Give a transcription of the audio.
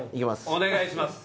お願いします